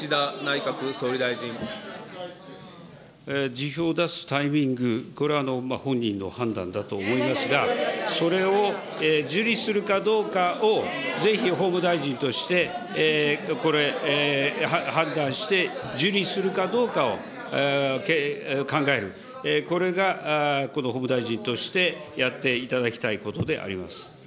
辞表を出すタイミング、これは本人の判断だと思いますが、それを受理するかどうかをぜひ法務大臣として、これ、判断して受理するかどうかを考える、これがこの法務大臣としてやっていただきたいことであります。